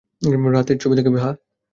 রাতের ছবি দেখাবি, হাহ?